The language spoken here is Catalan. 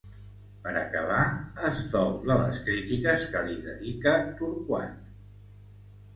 Per acabar es dol de les crítiques que li dedica Torquat.